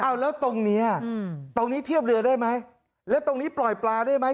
เอาแล้วตรงนี้ตรงนี้เทียบเรือได้ไหมแล้วตรงนี้ปล่อยปลาได้ไหม